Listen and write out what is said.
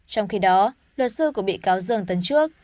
trong khi đó luật sư của bị cáo dương tấn trước